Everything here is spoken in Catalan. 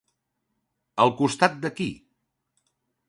Al costat de qui?